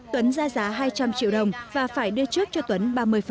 tuấn ra giá hai trăm linh triệu đồng và phải đưa trước cho tuấn ba mươi